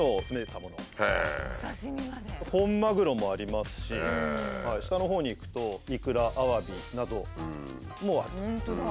本マグロもありますし下のほうにいくとイクラアワビなどもあると。